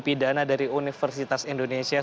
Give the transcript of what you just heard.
pidana dari universitas indonesia